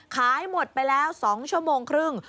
ขายหมดไปแล้ว๒ชั่วโมงครึ่ง